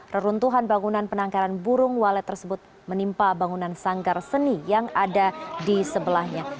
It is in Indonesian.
reruntuhan bangunan penangkaran burung walet tersebut menimpa bangunan sanggar seni yang ada di sebelahnya